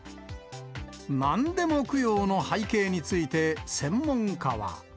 何でも供養の背景について、専門家は。